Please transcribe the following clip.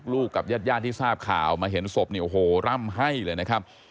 กับญาติญาติที่ทราบข่าวมาเห็นศพเนี่ยโอ้โหร่ำให้เลยนะครับ